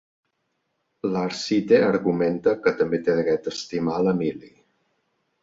L'Arcite argumenta que també té dret a estimar l'Emily.